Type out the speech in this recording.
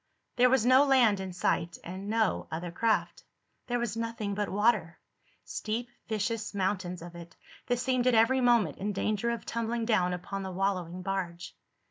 There was no land in sight, and no other craft. There was nothing but water—steep vicious mountains of it that seemed at every moment in danger of tumbling down upon the wallowing barge.